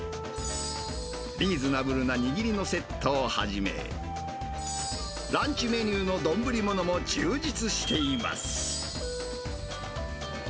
リーズナブルな握りのセットをはじめ、ランチメニューの丼物も充実しています。